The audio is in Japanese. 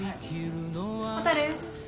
蛍。